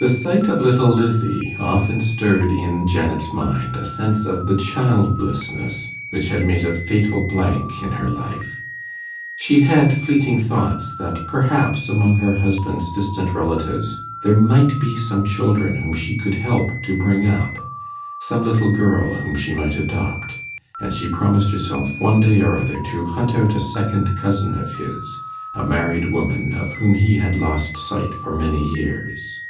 The sight of little Lizzie often stirred in Janet's mind a sense of the childlessness which had made a fatal blank in her life. She had fleeting thoughts that perhaps among her husband's distant relatives there might be some children whom she could help to bring up, some little girl whom she might adopt; and she promised herself one day or other to hunt out a second cousin of his a married woman, of whom he had lost sight for many years.